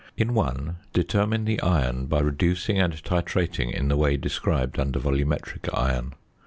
In one determine the iron by reducing and titrating in the way described under volumetric iron.